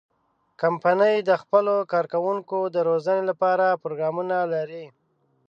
کمپنۍ د خپلو کارکوونکو د روزنې لپاره پروګرامونه لري.